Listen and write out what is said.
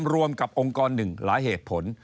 รวมกับองค์กรหนึ่งหลายเหตุผล